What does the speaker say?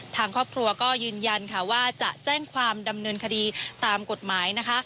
ทางครอบครัวก็ยืนยันค่ะว่าจะแจ้งความดำเนินคดีตามกฎหมายนะคะ